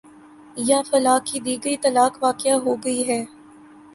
یا فلاں کی دی گئی طلاق واقع ہو گئی ہے